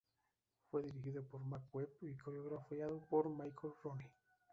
Fue dirigido por Marc Webb, y coreografiado por Michael Rooney.